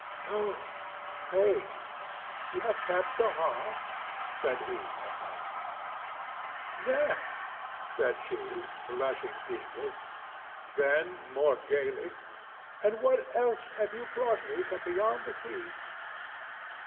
"So, Faith, you have kept the heart?" said he, at length. "Yes," said she, blushing deeply; then, more gayly, "And what else have you brought me from beyond the sea?"